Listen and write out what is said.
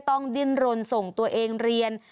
ต้องดิ้นรนส่งตัวเองเรียน